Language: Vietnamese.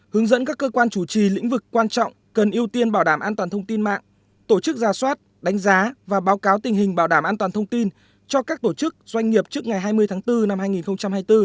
hướng dẫn các cơ quan chủ trì lĩnh vực quan trọng cần ưu tiên bảo đảm an toàn thông tin mạng tổ chức ra soát đánh giá và báo cáo tình hình bảo đảm an toàn thông tin cho các tổ chức doanh nghiệp trước ngày hai mươi tháng bốn năm hai nghìn hai mươi bốn